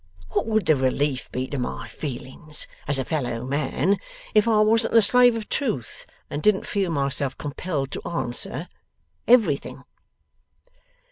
What would the relief be to my feelings as a fellow man if I wasn't the slave of truth, and didn't feel myself compelled to answer, Everything!